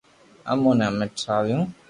امو ني ھمي ٿراويو